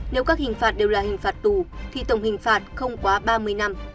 nếu các hình phạt đều là hình phạt tù thì tổng hình phạt không quá ba mươi năm